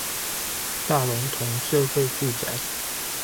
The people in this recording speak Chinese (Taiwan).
大龍峒社會住宅